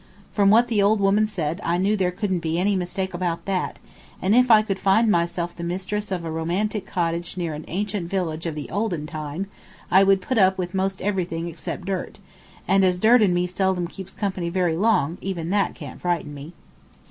From what the old woman said I knew there couldn't be any mistake about that, and if I could find myself the mistress of a romantic cottage near an ancient village of the olden time I would put up with most everything except dirt, and as dirt and me seldom keeps company very long, even that can't frighten me.